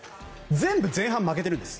全部、前半負けてるんです。